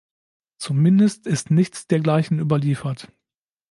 Zumindest ist nichts dergleichen überliefert.